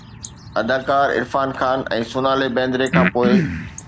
اداڪار عرفان خان ۽ سونالي بيندري کان پوءِ